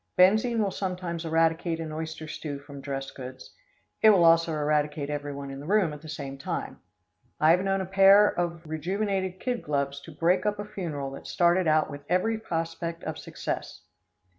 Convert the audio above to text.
Benzine will sometimes eradicate an oyster stew from dress goods. It will also eradicate everyone in the room at the same time. I have known a pair of rejuvenated kid gloves to break up a funeral that started out with every prospect of success.